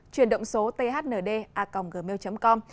truyền động số thnda gmail com